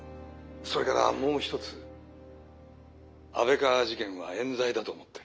それからもう一つ安倍川事件はえん罪だと思ってる。